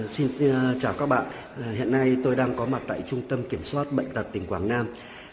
xin chào các bạn hiện nay tôi đang có mặt tại trung tâm kiểm soát bệnh tật tỉnh quảng nam